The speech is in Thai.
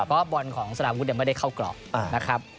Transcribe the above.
เพราะบอลของสารวุฒิไม่ได้เข้ากรอบนะครับ